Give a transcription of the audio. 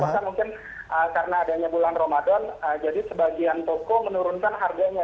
bahkan mungkin karena adanya bulan ramadan jadi sebagian toko menurunkan harganya